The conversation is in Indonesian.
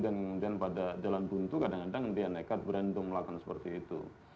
dan kemudian pada jalan buntu kadang kadang dia nekat berani untuk melakukan seperti itu